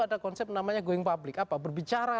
ada konsep namanya going public apa berbicara